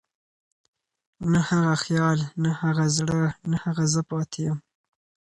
نه هغه خيال، نه هغه زړه، نه هغه زه پاتې يم